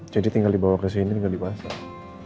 jadi tinggal dibawa kesini tinggal dipasang